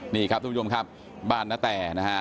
นี่ครับทุกผู้ชมครับบ้านนาแตนะฮะ